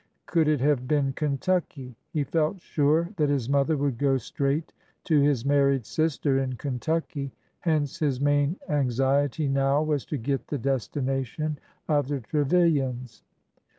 Could it have been Kentucky ?" He felt sure that his mother would go straight to his married sister in Kentucky, hence his main anxiety now was to get the destination of the Trevilians.